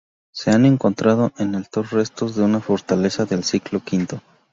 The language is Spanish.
Se han encontrado en el Tor restos de una fortaleza del siglo quinto.